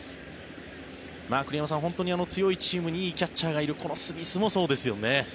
栗山さん、本当に強いチームにいいキャッチャーがいるこのスミスもそうですよね。